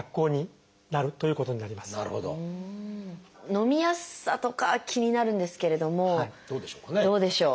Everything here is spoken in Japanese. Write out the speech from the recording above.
のみやすさとか気になるんですけれどもどうでしょう？